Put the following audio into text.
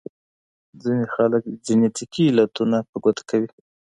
ځينې خلګ جينيټيکي علتونه په ګوته کوي.